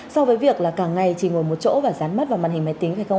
so với việc là cả ngày chỉ ngồi một chỗ và rán mắt vào màn hình máy tính phải không ạ